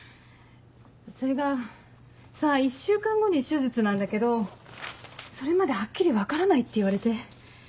それがさぁ１週間後に手術なんだけどそれまではっきり分からないって言われて。